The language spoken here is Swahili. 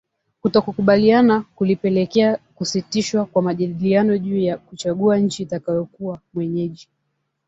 kutokukubaliana kulipelekea kusitishwa kwa majadiliano juu ya kuchagua nchi itakayokuwa mwenyeji